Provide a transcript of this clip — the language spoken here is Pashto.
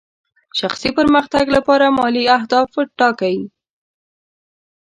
شخصي پرمختګ لپاره مالي اهداف ټاکئ.